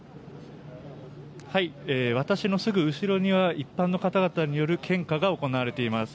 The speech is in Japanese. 私のすぐ後ろには一般の方々による献花が行われています。